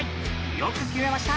よく決めました！